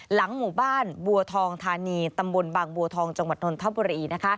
หลังหมู่บ้านบัวทองธานีตำบลบางบัวทองจังหวัดนนทบุรี